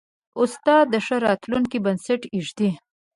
استاد د ښه راتلونکي بنسټ ایږدي.